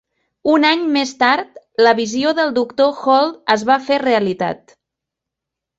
Un any més tard, la visió del doctor Holt es va fer realitat.